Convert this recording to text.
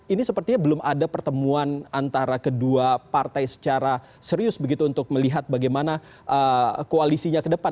ini sepertinya belum ada pertemuan antara kedua partai secara serius begitu untuk melihat bagaimana koalisinya ke depan